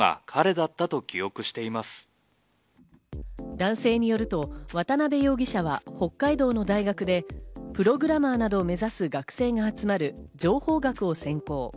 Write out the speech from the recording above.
男性によると渡辺容疑者は北海道の大学でプログラマーなどを目指す学生が集まる情報学を専攻。